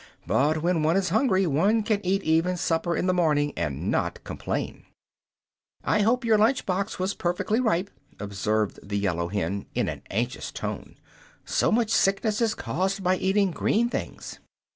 "But when one is hungry one can eat even supper in the morning, and not complain." "I hope your lunch box was perfectly ripe," observed the yellow hen, in a anxious tone. "So much sickness is caused by eating green things."